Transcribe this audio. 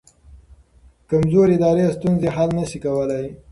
کمزوري ادارې ستونزې حل نه شي کولی.